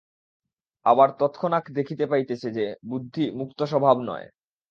আবার তৎক্ষণাৎ দেখিতে পাইতেছ যে, বুদ্ধি মুক্তস্বভাব নয়।